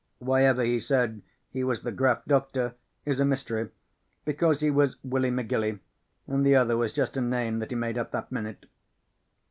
Whyever he said he was the Graf Doktor is a mystery, because he was Willy McGilly and the other was just a name that he made up that minute.